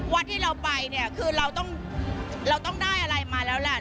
วัดที่เราไปคือเราต้องได้อะไรมาแล้วแล้ว